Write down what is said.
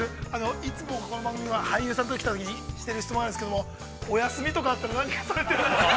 いつもこの番組は、俳優さんが来たときに、している質問なんですけど、お休みとかあったら、何かされてるんですか？